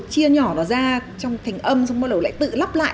chia nhỏ nó ra trong thành âm xong bắt đầu lại tự lắp lại